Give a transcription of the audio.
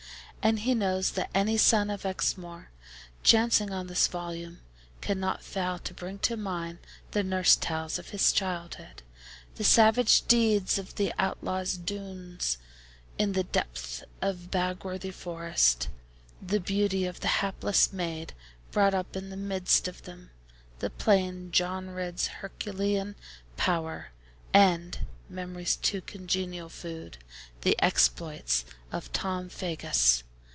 And he knows that any son of Exmoor, chancing on this volume, cannot fail to bring to mind the nurse tales of his childhood the savage deeds of the outlaw Doones in the depth of Bagworthy Forest, the beauty of the hapless maid brought up in the midst of them, the plain John Ridd's Herculean power, and (memory's too congenial food) the exploits of Tom Faggus.